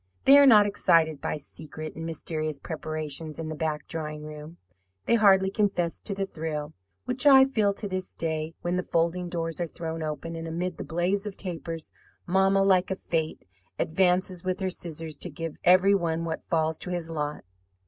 They are not excited by secret and mysterious preparations in the back drawing room; they hardly confess to the thrill which I feel to this day when the folding doors are thrown open, and amid the blaze of tapers, mamma, like a Fate, advances with her scissors to give every one what falls to his lot.